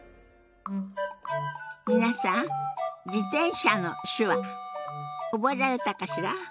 皆さん「自転車」の手話覚えられたかしら？